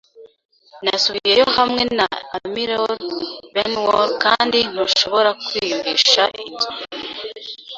Nasubiyeyo hamwe na Amiral Benbow, kandi ntushobora kwiyumvisha inzu